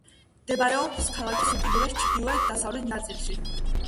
მდებარეობს ქალაქის უკიდურეს ჩრდილო-დასავლეთ ნაწილში.